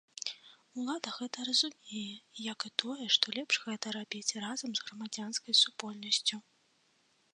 Улада гэта разумее, як і тое, што лепш гэта рабіць разам з грамадзянскай супольнасцю.